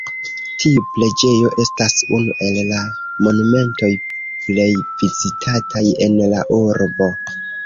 Tiu preĝejo estas unu el la monumentoj plej vizitataj en la urbo.